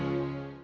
maaf ya pak randy